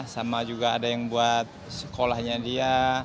sama juga ada yang buat sekolahnya dia